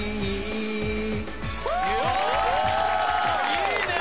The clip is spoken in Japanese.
いいね！